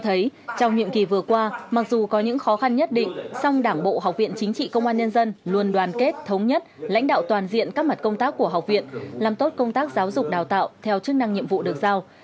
tôi thấy trong nhiệm kỳ vừa qua mặc dù có những khó khăn nhất định song đảng bộ học viện chính trị công an nhân dân luôn đoàn kết thống nhất lãnh đạo toàn diện các mặt công tác của học viện làm tốt công tác giáo dục đào tạo theo chức năng nhiệm vụ được giao